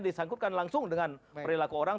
disangkutkan langsung dengan perilaku orang